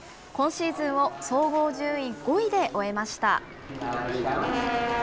今シーズンを総合順位５位で終えました。